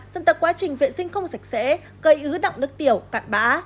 dân tập quá trình vệ sinh không sạch sẽ gây ứ động nước tiểu cạn bã